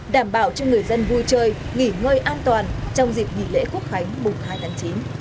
đảm bảo cho người dân vui chơi nghỉ ngơi an toàn trong dịp nghỉ lễ quốc khánh mùng hai tháng chín